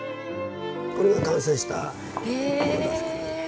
これが完成したものなんですけどね。